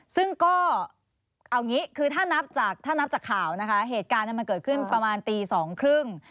ซึ่งก็เอางี้คือถ้านับจากถ้านับจากข่าวนะคะเหตุการณ์มันเกิดขึ้นประมาณตีสองครึ่ง